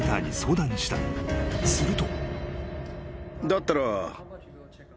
［すると］